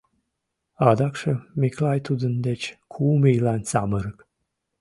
Адакшым Миклай тудын деч кум ийлан самырык...